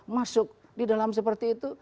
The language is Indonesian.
masuk di dalam seperti itu